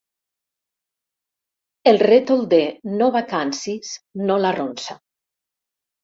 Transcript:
El rètol de «No vacancies» no l'arronsa.